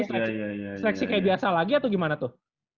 seleksi kayak biasa lagi atau gimana tuh